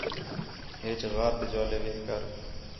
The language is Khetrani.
ہیچ غار تے جولے وِہ کر